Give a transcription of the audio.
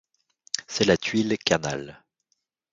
C'est la tuile canal.